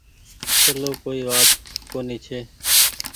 چلو ڪوئي وآت ڪونيٚ ڇي۔